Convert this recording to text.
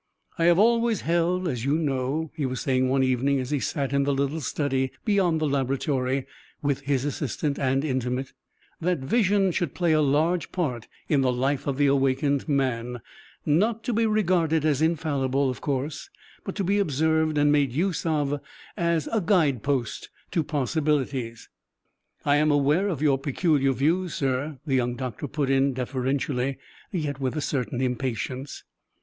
"I have always held, as you know," he was saying one evening as he sat in the little study beyond the laboratory with his assistant and intimate, "that Vision should play a large part in the life of the awakened man not to be regarded as infallible, of course, but to be observed and made use of as a guide post to possibilities " "I am aware of your peculiar views, sir," the young doctor put in deferentially, yet with a certain impatience.